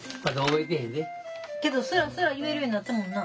けどスラスラ言えるようになったもんな。